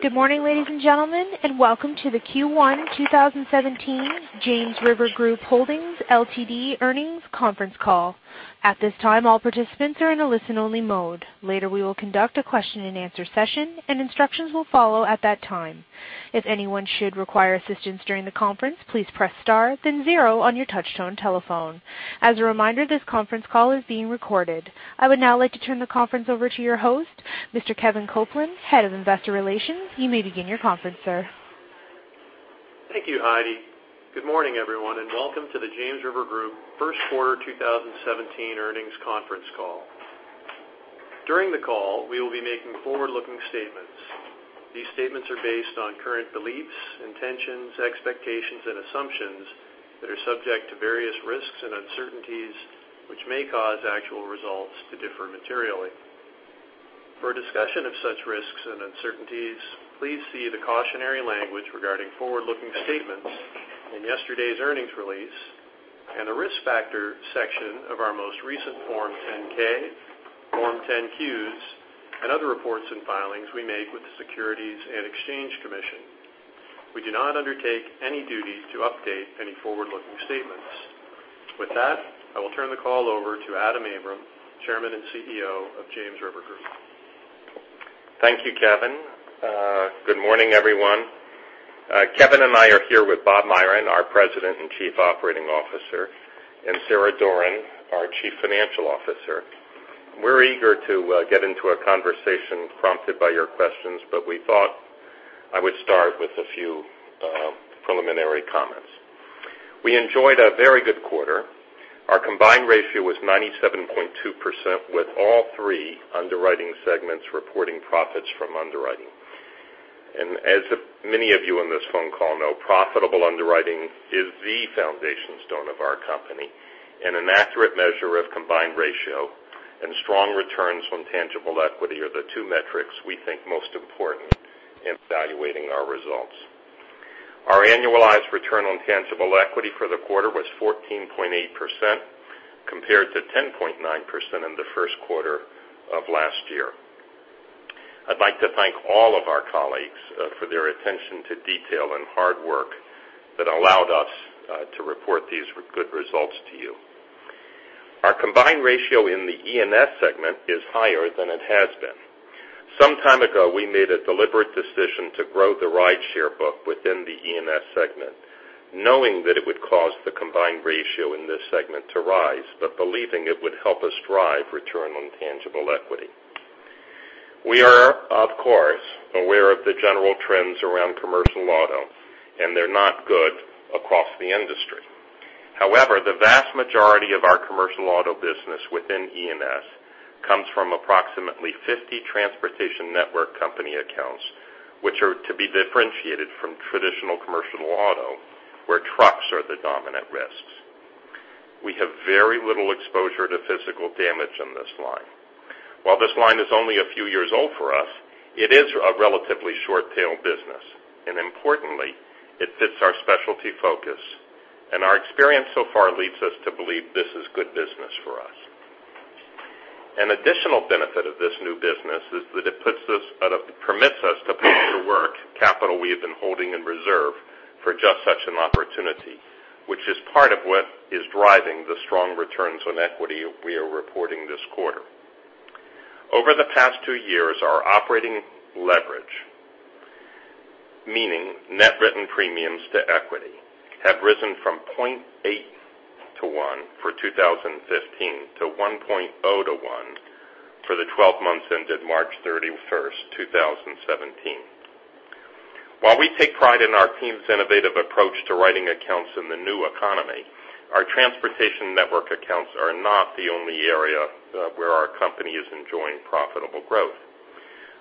Good morning, ladies and gentlemen, and welcome to the Q1 2017 James River Group Holdings, Ltd. earnings conference call. At this time, all participants are in a listen-only mode. Later, we will conduct a question and answer session, and instructions will follow at that time. If anyone should require assistance during the conference, please press star, then zero on your touch-tone telephone. As a reminder, this conference call is being recorded. I would now like to turn the conference over to your host, Mr. Kevin Copeland, Head of Investor Relations. You may begin your conference, sir. Thank you, Heidi. Good morning, everyone, and welcome to the James River Group first quarter 2017 earnings conference call. During the call, we will be making forward-looking statements. These statements are based on current beliefs, intentions, expectations, and assumptions that are subject to various risks and uncertainties, which may cause actual results to differ materially. For a discussion of such risks and uncertainties, please see the cautionary language regarding forward-looking statements in yesterday's earnings release and the Risk Factor section of our most recent Form 10-K, Form 10-Qs, and other reports and filings we make with the Securities and Exchange Commission. We do not undertake any duty to update any forward-looking statements. With that, I will turn the call over to Adam Abram, Chairman and CEO of James River Group. Thank you, Kevin. Good morning, everyone. Kevin and I are here with Bob Myron, our President and Chief Operating Officer, and Sarah Doran, our Chief Financial Officer. We're eager to get into a conversation prompted by your questions, but we thought I would start with a few preliminary comments. We enjoyed a very good quarter. Our combined ratio was 97.2% with all three underwriting segments reporting profits from underwriting. As many of you on this phone call know, profitable underwriting is the foundation stone of our company, and an accurate measure of combined ratio and strong returns on tangible equity are the two metrics we think are most important in evaluating our results. Our annualized return on tangible equity for the quarter was 14.8%, compared to 10.9% in the first quarter of last year. I'd like to thank all of our colleagues for their attention to detail and hard work that allowed us to report these good results to you. Our combined ratio in the E&S segment is higher than it has been. Some time ago, we made a deliberate decision to grow the rideshare book within the E&S segment, knowing that it would cause the combined ratio in this segment to rise, but believing it would help us drive return on tangible equity. We are, of course, aware of the general trends around commercial auto. They're not good across the industry. However, the vast majority of our commercial auto business within E&S comes from approximately 50 transportation network company accounts, which are to be differentiated from traditional commercial auto, where trucks are the dominant risks. We have very little exposure to physical damage in this line. While this line is only a few years old for us, it is a relatively short-tail business. Importantly, it fits our specialty focus. Our experience so far leads us to believe this is good business for us. An additional benefit of this new business is that it permits us to put to work capital we have been holding in reserve for just such an opportunity, which is part of what is driving the strong returns on equity we are reporting this quarter. Over the past two years, our operating leverage, meaning net written premiums to equity, have risen from 0.8 to 1 for 2015 to 1.0 to 1 for the 12 months ended March 31st, 2017. While we take pride in our team's innovative approach to writing accounts in the new economy, our transportation network accounts are not the only area where our company is enjoying profitable growth.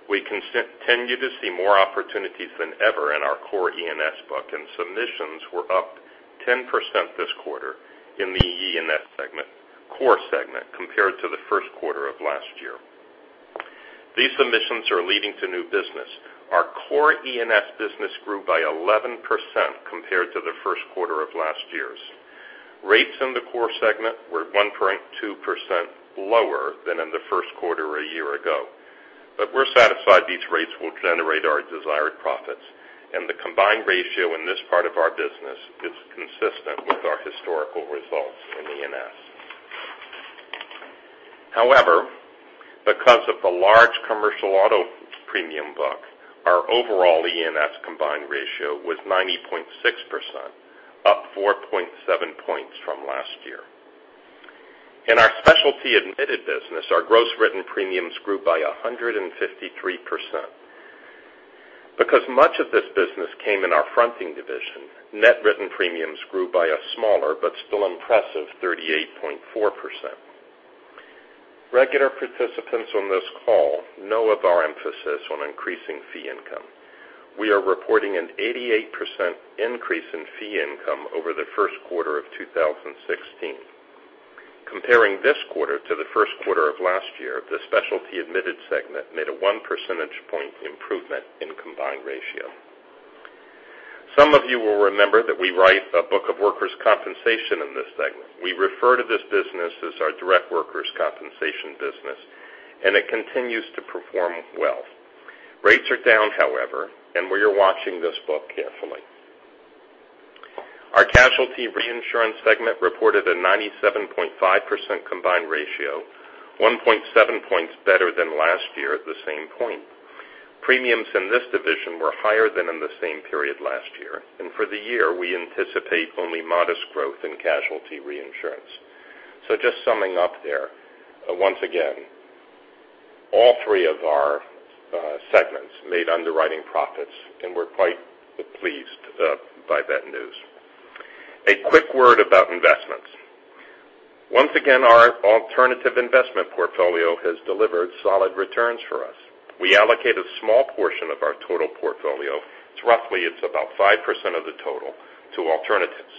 We continue to see more opportunities than ever in our core E&S book. Submissions were up 10% this quarter in the E&S core segment compared to the first quarter of last year. These submissions are leading to new business. Our core E&S business grew by 11% compared to the first quarter of last year's. Rates in the core segment were 1.2% lower than in the first quarter a year ago. We're satisfied these rates will generate our desired profits. The combined ratio in this part of our business is consistent with our historical results in E&S. However, because of the large commercial auto premium book, our overall E&S combined ratio was 90.6%, up 4.7 points from last year. In our specialty admitted business, our gross written premiums grew by 153%. Because much of this business came in our fronting division, net written premiums grew by a smaller but still impressive 38.4%. Regular participants on this call know of our emphasis on increasing fee income. We are reporting an 88% increase in fee income over the first quarter of 2016. Comparing this quarter to the first quarter of last year, the specialty admitted segment made a one percentage point improvement in combined ratio. Some of you will remember that we write a book of workers' compensation in this segment. We refer to this business as our direct workers' compensation business, and it continues to perform well. Rates are down, however. We are watching this book carefully. Our casualty reinsurance segment reported a 97.5% combined ratio, 1.7 points better than last year at the same point. Premiums in this division were higher than in the same period last year. For the year, we anticipate only modest growth in casualty reinsurance. Just summing up there, once again, all three of our segments made underwriting profits. We're quite pleased by that news. A quick word about investments. Once again, our alternative investment portfolio has delivered solid returns for us. We allocate a small portion of our total portfolio, it's roughly about 5% of the total, to alternatives.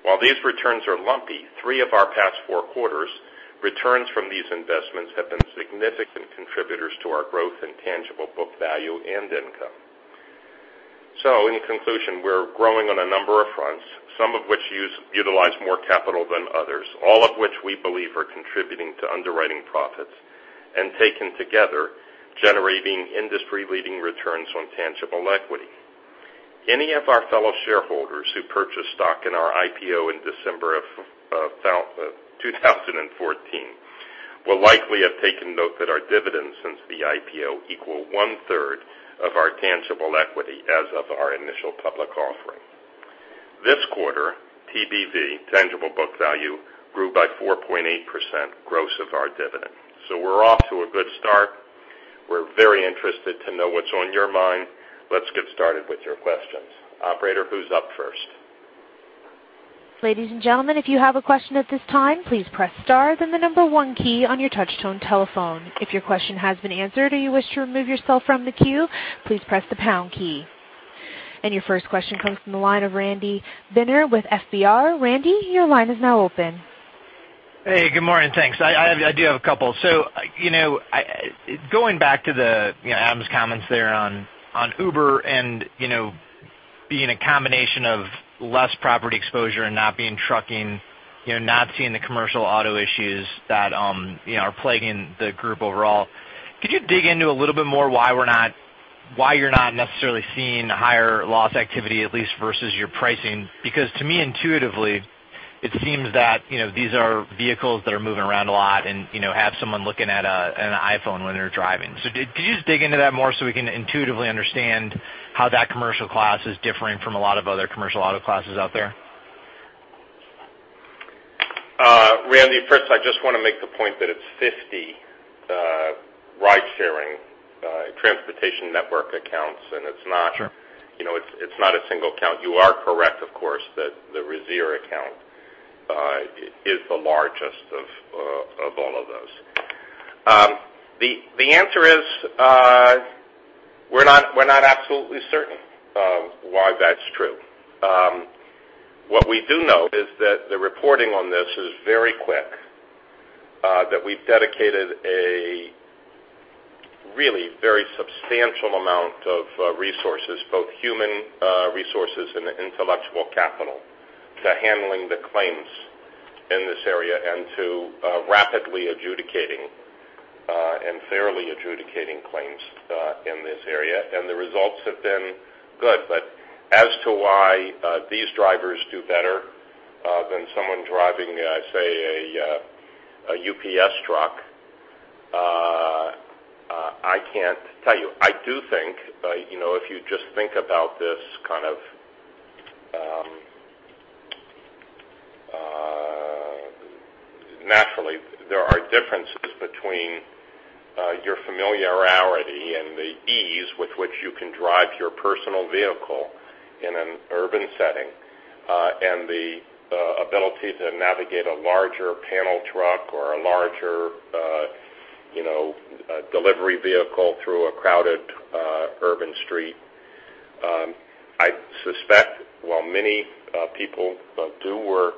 While these returns are lumpy, three of our past four quarters' returns from these investments have been significant contributors to our growth in tangible book value and income. In conclusion, we're growing on a number of fronts, some of which utilize more capital than others, all of which we believe are contributing to underwriting profits, and taken together, generating industry-leading returns on tangible equity. Any of our fellow shareholders who purchased stock in our IPO in December of 2014 will likely have taken note that our dividends since the IPO equal one third of our tangible equity as of our initial public offering. This quarter, TBV, tangible book value, grew by 4.8% gross of our dividend. We're off to a good start. We're very interested to know what's on your mind. Let's get started with your questions. Operator, who's up first? Ladies and gentlemen, if you have a question at this time, please press star, then the number one key on your touch tone telephone. If your question has been answered or you wish to remove yourself from the queue, please press the pound key. Your first question comes from the line of Randy Binner with FBR. Randy, your line is now open. Hey, good morning. Thanks. I do have a couple. Going back to Adam's comments there on Uber and being a combination of less property exposure and not being trucking, not seeing the commercial auto issues that are plaguing the group overall, could you dig into a little bit more why you're not necessarily seeing higher loss activity at least versus your pricing? Because to me intuitively, it seems that these are vehicles that are moving around a lot and have someone looking at an iPhone when they're driving. Could you just dig into that more so we can intuitively understand how that commercial class is different from a lot of other commercial auto classes out there? Randy, first, I just want to make the point that it's 50 ride-sharing transportation network accounts, and it's not- Sure a single account. You are correct, of course, that the Uber account is the largest of all of those. The answer is we're not absolutely certain why that's true. What we do know is that the reporting on this is very quick, that we've dedicated a really very substantial amount of resources, both human resources and intellectual capital, to handling the claims in this area and to rapidly adjudicating and fairly adjudicating claims in this area, and the results have been good. As to why these drivers do better than someone driving, say, a UPS truck, I can't tell you. I do think if you just think about this kind of naturally, there are differences between your familiarity and the ease with which you can drive your personal vehicle in an urban setting, and the ability to navigate a larger panel truck or a larger delivery vehicle through a crowded urban street. I suspect while many people do work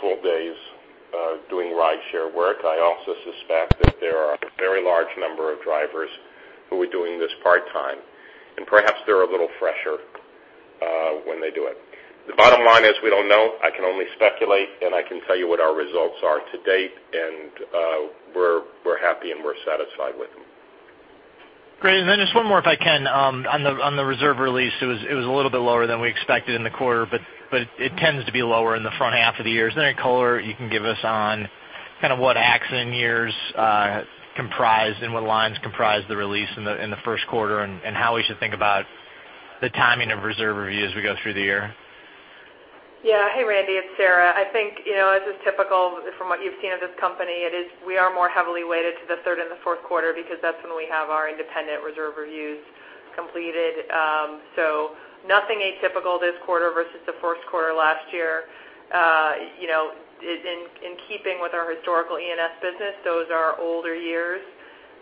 full days doing rideshare work, I also suspect that there are a very large number of drivers who are doing this part-time, and perhaps they're a little fresher when they do it. The bottom line is we don't know. I can only speculate, and I can tell you what our results are to date, and we're happy and we're satisfied with them. Great. Just one more if I can on the reserve release, it was a little bit lower than we expected in the quarter, it tends to be lower in the front half of the year. Is there any color you can give us on kind of what accident years comprised and what lines comprised the release in the first quarter, and how we should think about the timing of reserve review as we go through the year? Hey, Randy, it's Sarah. I think as is typical from what you've seen of this company, we are more heavily weighted to the third and the fourth quarter because that's when we have our independent reserve reviews completed. Nothing atypical this quarter versus the first quarter last year. In keeping with our historical E&S business, those are older years.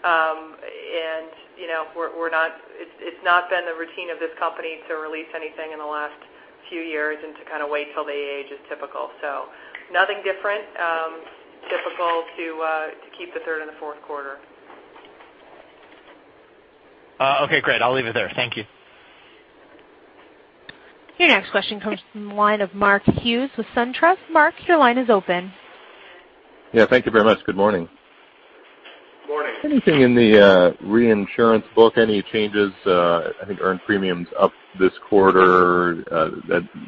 It's not been the routine of this company to release anything in the last few years and to kind of wait till they age is typical. Nothing different, typical to keep the third and the fourth quarter. Okay, great. I'll leave it there. Thank you. Your next question comes from the line of Mark Hughes with SunTrust. Mark, your line is open. Yeah. Thank you very much. Good morning. Morning. Anything in the reinsurance book, any changes? I think earned premiums up this quarter.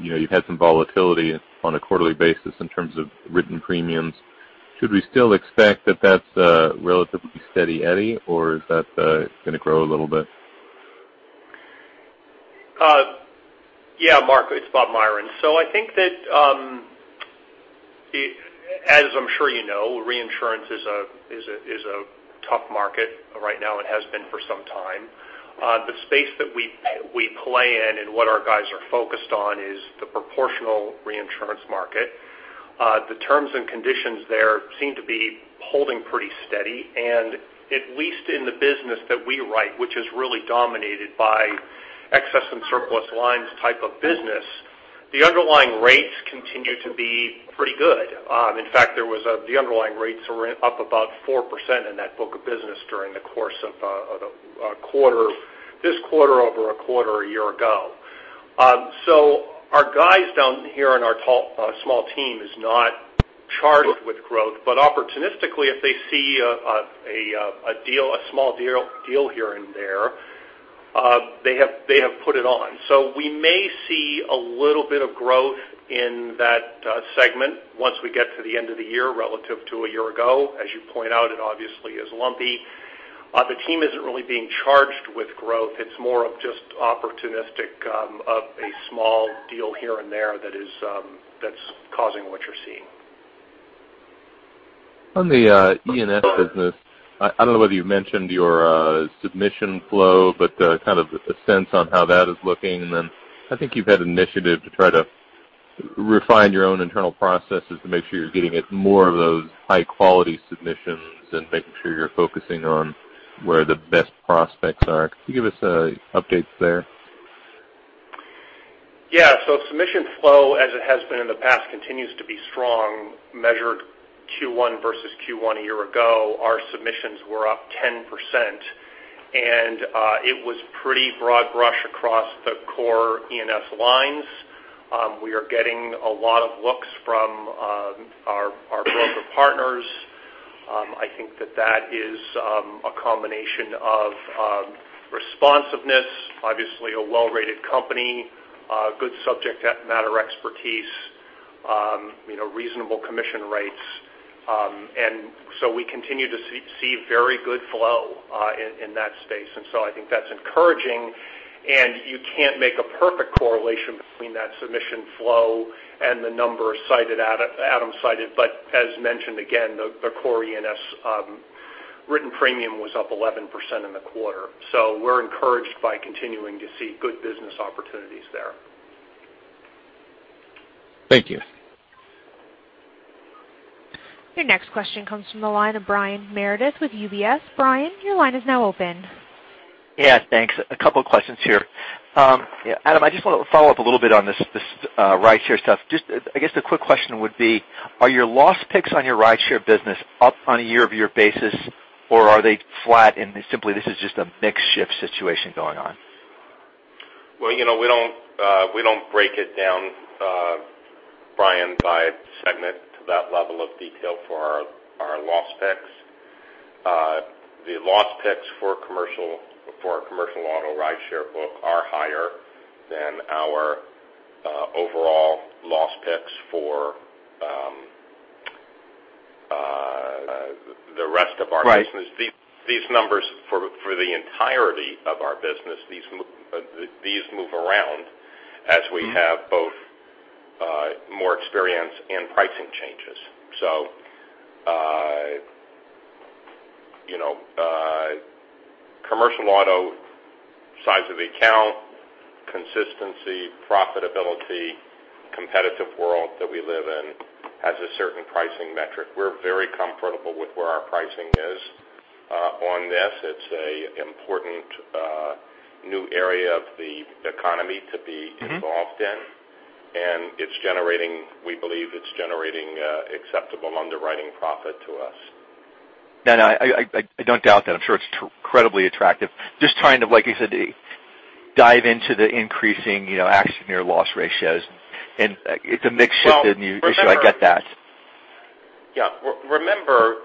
You've had some volatility on a quarterly basis in terms of written premiums. Should we still expect that that's a relatively steady eddy, or is that going to grow a little bit? Yeah, Mark, it's Bob Myron. I think that, as I'm sure you know, reinsurance is a tough market right now and has been for some time. The space that we play in and what our guys are focused on is the proportional reinsurance market. The terms and conditions there seem to be holding pretty steady. At least in the business that we write, which is really dominated by excess and surplus lines type of business, the underlying rates continue to be pretty good. In fact, the underlying rates were up about 4% in that book of business during the course of this quarter over a quarter a year ago. Our guys down here on our small team is not charged with growth, but opportunistically, if they see a small deal here and there, they have put it on. We may see a little bit of growth in that segment once we get to the end of the year relative to a year ago. As you point out, it obviously is lumpy. The team isn't really being charged with growth. It's more of just opportunistic of a small deal here and there that's causing what you're seeing. On the E&S business, I don't know whether you mentioned your submission flow, but kind of a sense on how that is looking. I think you've had initiative to try to refine your own internal processes to make sure you're getting at more of those high-quality submissions and making sure you're focusing on where the best prospects are. Could you give us updates there? Yeah. Submission flow, as it has been in the past, continues to be strong, measured Q1 versus Q1 a year ago. Our submissions were up 10%, and it was pretty broad brush across the core E&S lines. We are getting a lot of looks from our broker partners. I think that that is a combination of responsiveness, obviously a well-rated company, good subject matter expertise, reasonable commission rates. We continue to see very good flow in that space. I think that's encouraging, and you can't make a perfect correlation between that submission flow and the numbers Adam cited. As mentioned, again, the core E&S written premium was up 11% in the quarter. We're encouraged by continuing to see good business opportunities there. Thank you. Your next question comes from the line of Brian Meredith with UBS. Brian, your line is now open. Yeah, thanks. A couple of questions here. Adam, I just want to follow up a little bit on this rideshare stuff. I guess the quick question would be, are your loss picks on your rideshare business up on a year-over-year basis, or are they flat and simply this is just a mix shift situation going on? Well, we don't break it down, Brian, by segment to that level of detail for our loss picks. The loss picks for our commercial auto rideshare book are higher than our overall loss picks for the rest of our business. Right. These numbers for the entirety of our business, these move around as we have both more experience and pricing changes. Commercial auto, size of account, consistency, profitability, competitive world that we live in has a certain pricing metric. We're very comfortable with where our pricing is on this. It's an important new area of the economy to be involved in, and we believe it's generating acceptable underwriting profit to us. No, no, I don't doubt that. I'm sure it's incredibly attractive. Just trying to, like I said, dive into the increasing accident year loss ratios. It's a mix shift issue, I get that. Remember,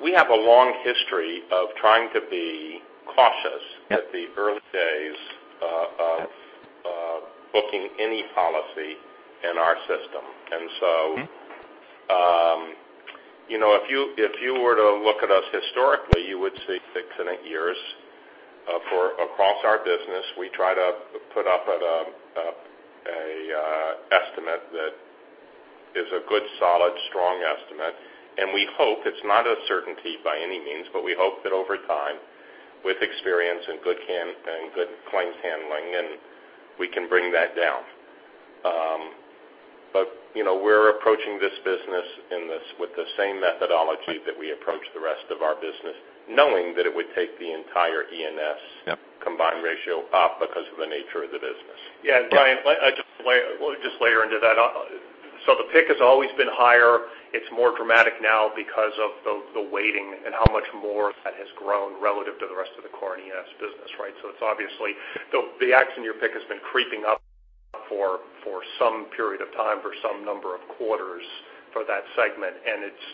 we have a long history of trying to be cautious at the early days of booking any policy in our system. If you were to look at us historically, you would see six and eight years. For across our business, we try to put up an estimate that is a good, solid, strong estimate, and we hope it's not a certainty by any means, but we hope that over time with experience and good claims handling, we can bring that down. We're approaching this business with the same methodology that we approach the rest of our business, knowing that it would take the entire E&S combined ratio up because of the nature of the business. Brian, we'll just layer into that. The pick has always been higher. It's more dramatic now because of the weighting and how much more that has grown relative to the rest of the core E&S business. The accident year pick has been creeping up for some period of time, for some number of quarters for that segment, and it's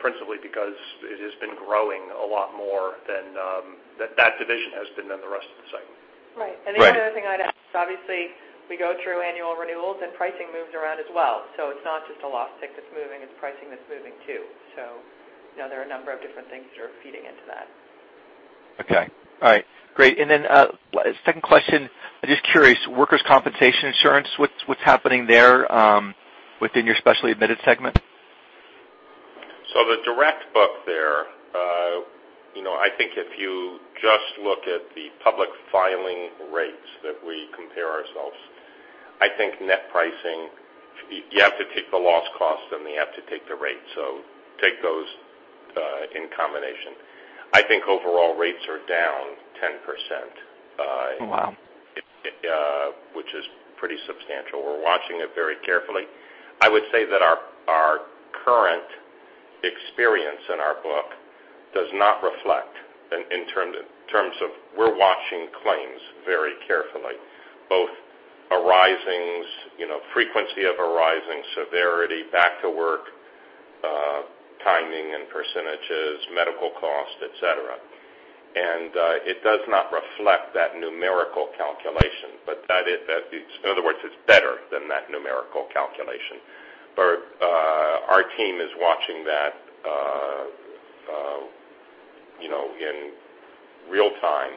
principally because it has been growing a lot more, that division has been than the rest of the segment. Right. Right. The only other thing I'd add is obviously we go through annual renewals and pricing moves around as well. It's not just a loss pick that's moving, it's pricing that's moving too. There are a number of different things that are feeding into that. Okay. All right, great. Second question, I'm just curious, workers' compensation insurance, what's happening there within your specialty admitted segment? The direct book there, I think if you just look at the public filing rates that we compare ourselves, I think net pricing, you have to take the loss cost, and you have to take the rate. Take those in combination. I think overall rates are down 10%- Wow Which is pretty substantial. We're watching it very carefully. I would say that our current experience in our book does not reflect in terms of we're watching claims very carefully, both arisings, frequency of arising, severity, back to work, timing and percentages, medical cost, et cetera. It does not reflect that numerical calculation, in other words, it's better than that numerical calculation. Our team is watching that in real time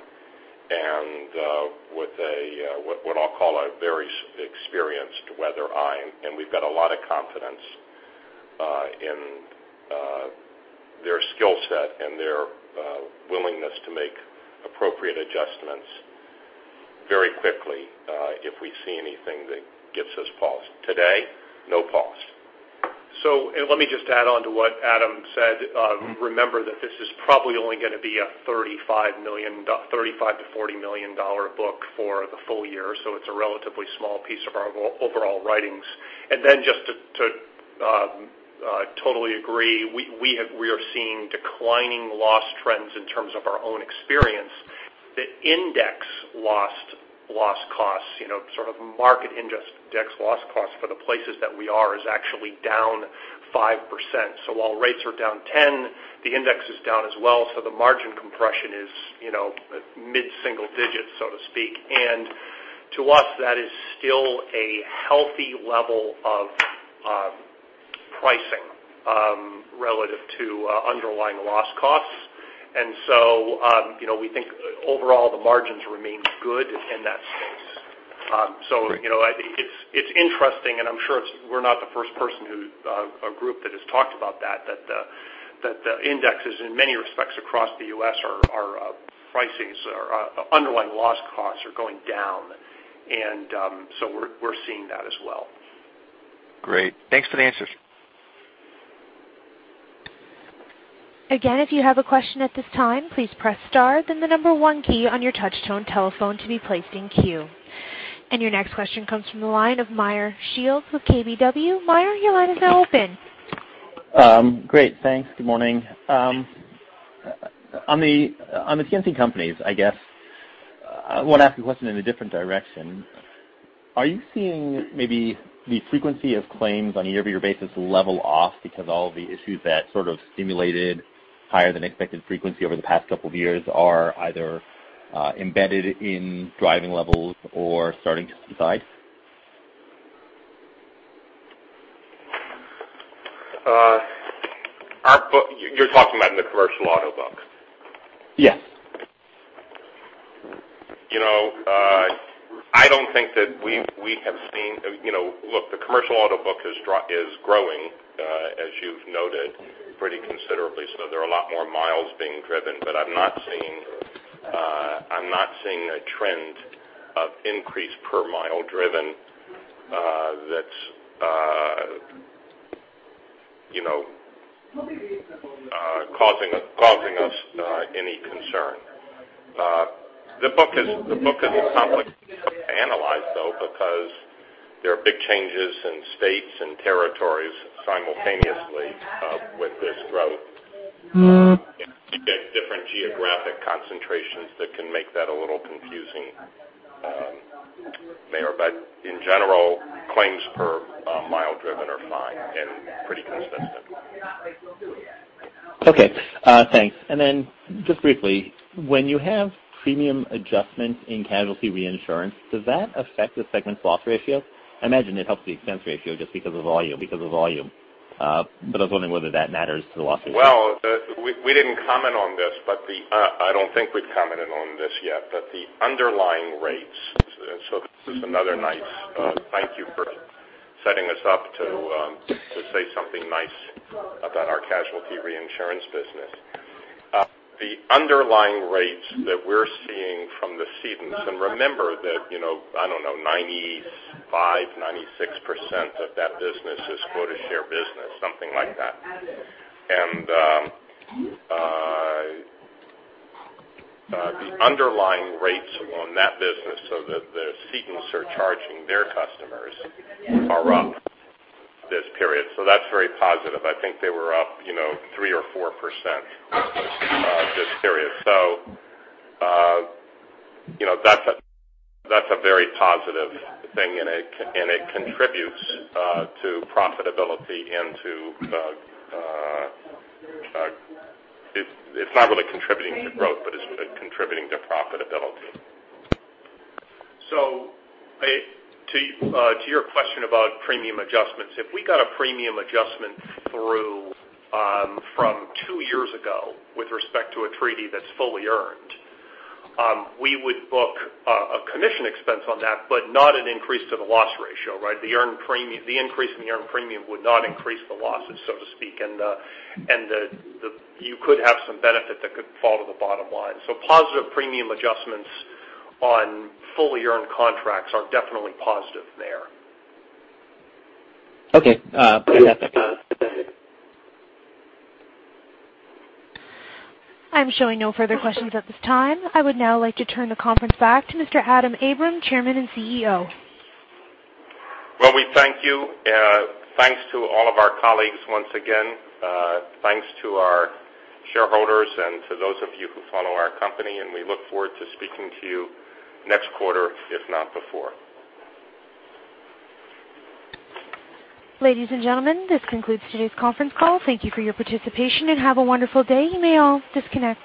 and with what I'll call a very experienced weather eye, and we've got a lot of confidence in their skill set and their willingness to make appropriate adjustments very quickly if we see anything that gives us pause. Today, no pause. Let me just add on to what Adam said. Remember that this is probably only going to be a $35 million-$40 million book for the full year, so it's a relatively small piece of our overall writings. Just to totally agree, we are seeing declining loss trends in terms of our own experience. The index loss costs, sort of market index loss costs for the places that we are, is actually down 5%. While rates are down 10%, the index is down as well, so the margin compression is mid-single digits, so to speak. To us, that is still a healthy level of pricing relative to underlying loss costs. We think overall the margins remain good in that space. It's interesting, and I'm sure we're not the first person or group that has talked about that the indexes in many respects across the U.S., our pricings, our underlying loss costs are going down. We're seeing that as well. Great. Thanks for the answers. Again, if you have a question at this time, please press star then the number one key on your touch tone telephone to be placed in queue. Your next question comes from the line of Meyer Shields with KBW. Meyer, your line is now open. Great. Thanks. Good morning. On the TNC companies, I guess, I want to ask you a question in a different direction. Are you seeing maybe the frequency of claims on a year-over-year basis level off because all the issues that sort of stimulated higher than expected frequency over the past couple of years are either embedded in driving levels or starting to subside? You're talking about in the commercial auto book? Yes. I don't think that we have. Look, the commercial auto book is growing, as you've noted, pretty considerably. There are a lot more miles being driven. I'm not seeing a trend of increase per mile driven that's causing us any concern. The book is a complex to analyze, though, because there are big changes in states and territories simultaneously with this growth. You get different geographic concentrations that can make that a little confusing there. In general, claims per mile driven are fine and pretty consistent. Okay, thanks. Just briefly, when you have premium adjustments in casualty reinsurance, does that affect the segment's loss ratio? I imagine it helps the expense ratio just because of volume, I was wondering whether that matters to the loss ratio. We didn't comment on this, I don't think we've commented on this yet, but the underlying rates, this is another nice thank you for setting us up to say something nice about our casualty reinsurance business. The underlying rates that we're seeing from the cedents, and remember that, I don't know, 95%-96% of that business is quota share business, something like that. The underlying rates on that business, so that the cedents are charging their customers are up this period. That's very positive. I think they were up 3% or 4% this period. That's a very positive thing, and it contributes to profitability. It's not really contributing to growth, but it's contributing to profitability. To your question about premium adjustments, if we got a premium adjustment through from two years ago with respect to a treaty that's fully earned, we would book a commission expense on that, but not an increase to the loss ratio, right? The increase in the earned premium would not increase the losses, so to speak. You could have some benefit that could fall to the bottom line. Positive premium adjustments on fully earned contracts are definitely positive there. Okay. That's it. I'm showing no further questions at this time. I would now like to turn the conference back to Mr. Adam Abram, Chairman and CEO. Well, we thank you. Thanks to all of our colleagues once again. Thanks to our shareholders and to those of you who follow our company, and we look forward to speaking to you next quarter, if not before. Ladies and gentlemen, this concludes today's conference call. Thank you for your participation and have a wonderful day. You may all disconnect.